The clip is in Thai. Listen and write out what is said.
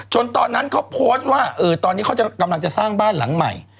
ตอนนั้นเขาโพสต์ว่าตอนนี้เขากำลังจะสร้างบ้านหลังใหม่